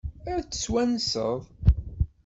Ad tt-twanseḍ?